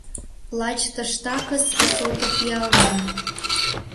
Лач тыштакыс сото пиална.